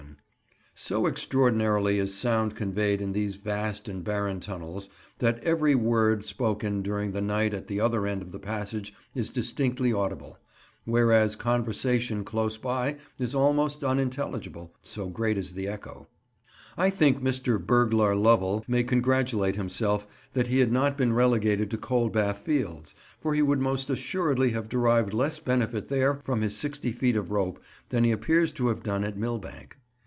[Picture: Counting] So extraordinarily is sound conveyed in these vast and barren tunnels that every word spoken during the night at the other end of the passage is distinctly audible, whereas conversation close by is almost unintelligible, so great is the echo. I think Mr. Burglar Lovell may congratulate himself that he had not been relegated to Coldbath Fields, for he would most assuredly have derived less benefit there from his sixty feet of rope than he appears to have done at Millbank.